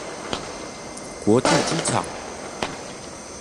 國際機場